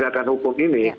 penegakan hukum ini